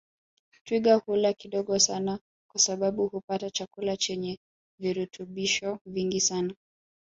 Twiga hula kidogo sana kwa sababu hupata chakula chenye virutubisho vingi sana